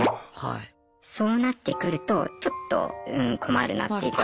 そうなってくるとちょっとうん困るなっていうか。